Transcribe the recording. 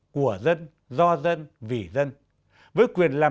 của dân do dân vì dân với quyền làm